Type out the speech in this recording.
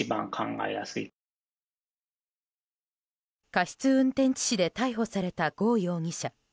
過失運転致死で逮捕されたゴ容疑者。